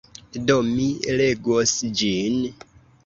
Do mi legos ĝin.